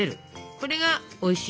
これがおいしい